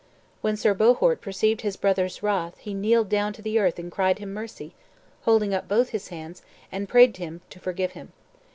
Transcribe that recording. When Sir Bohort perceived his brother's wrath he kneeled down to the earth and cried him mercy, holding up both his hands, and prayed him to forgive him.